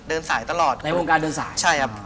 เดินสายตลอดในวงการเดินสายใช่ครับ